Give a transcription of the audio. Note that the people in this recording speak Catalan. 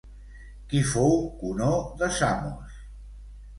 Qui fou Conó de Samos?